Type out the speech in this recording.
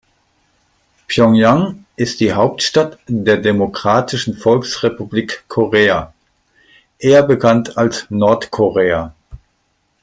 Pjöngjang ist die Hauptstadt der Demokratischen Volksrepublik Korea, eher bekannt als Nordkorea.